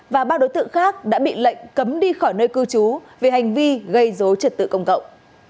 và ba đối tượng khác đã bị lệnh cấm đi khỏi nơi cư trú về hành vi gây dối trật tự công cộng